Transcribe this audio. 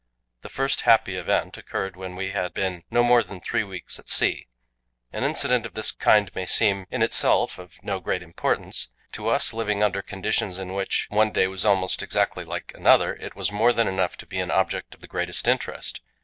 The first "happy event " occurred when we had been no more than three weeks at sea. An incident of this kind may seem in itself of no great importance; to us, living under conditions in which one day was almost exactly like another, it was more than enough to be an object of the greatest interest.